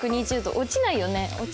落ちないよね？